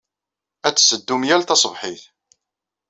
Ad tetteddum yal taṣebḥit.